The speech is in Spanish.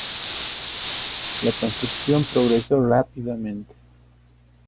La construcción progresó rápidamente.